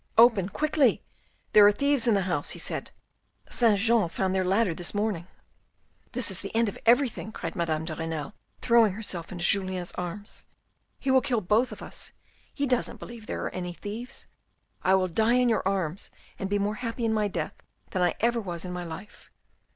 " Open quickly, there are thieves in the house !" he said. " Saint Jean found their ladder this morning." " This is the end of everything," cried Madame de Renal, throwing herself into Julien's arms. " He will kill both of us, he doesn't believe there are any thieves. I will die in your arms, and be more happy in my death than I ever was in my life."